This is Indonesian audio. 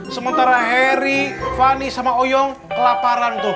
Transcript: sementara harry fanny sama oyoung kelaparan tuh